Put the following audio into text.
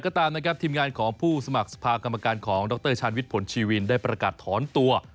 ก็ตามนะครับทีมงานของผู้สมัครสภากรรมการของดรชาญวิทย์ผลชีวินได้ประกาศถอนตัว